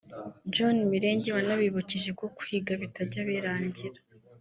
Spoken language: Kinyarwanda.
John Mirenge wanabibukije ko kwiga bitajya birangira